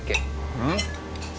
うん？